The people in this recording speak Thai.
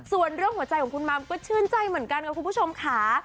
ส่วนเรื่องหัวใจของคุณมัมก็ชื่นใจเหมือนกันค่ะคุณผู้ชมค่ะ